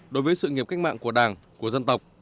đối với sự nghiệp cách mạng của đảng của dân tộc